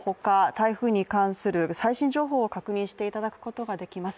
台風に関する最新情報を確認していただくことができます。